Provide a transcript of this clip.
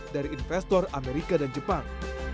dari investor amerika dan jepang